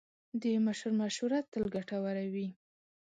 د مشر مشوره تل ګټوره وي.